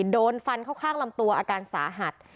โดนฟันเข้าข้างลำตัวอาการสาหัส